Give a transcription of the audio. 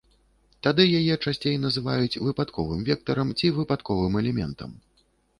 Тады яе часцей называюць выпадковым вектарам ці выпадковым элементам.